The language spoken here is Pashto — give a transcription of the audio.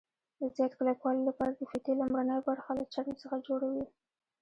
د زیات کلکوالي لپاره د فیتې لومړنۍ برخه له چرم څخه جوړوي.